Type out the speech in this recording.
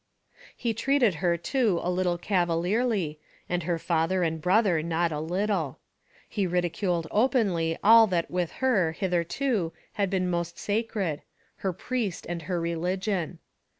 He treated her too a little cavalierly, and her father and brother not a little. He ridiculed openly all that with her, hitherto, had been most sacred her priest and her religion.